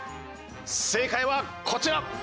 正解はこちら！